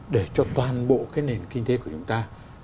để cho toàn bộ cái nền kinh tế của chúng ta